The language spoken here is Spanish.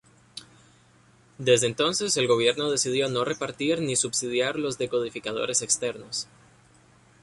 Desde entonces el gobierno decidió no repartir ni subsidiar los decodificadores externos.